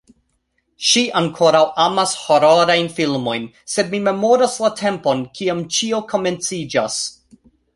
Ŝi ankoraŭ amas hororajn filmojn sed mi memoras la tempon, kiam ĉio komenciĝas